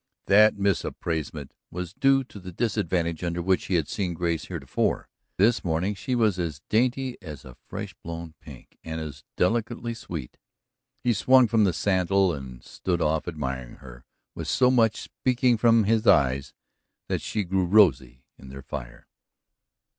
That misappraisement was due to the disadvantage under which he had seen Grace heretofore. This morning she was as dainty as a fresh blown pink, and as delicately sweet. He swung from the saddle and stood off admiring her with so much speaking from his eyes that she grew rosy in their fire.